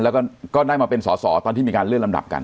แล้วก็ได้มาเป็นสอสอตอนที่มีการเลื่อนลำดับกัน